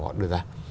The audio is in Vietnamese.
họ đưa ra